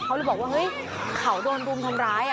เขาเลยบอกว่าเฮ้ยเขาโดนรุมทำร้าย